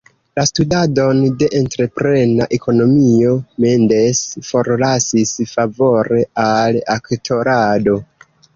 La studadon de entreprena ekonomio, Mendes forlasis favore al aktorado.